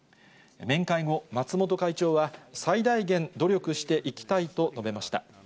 面会後、松本会長は最大限努力していきたいと述べました。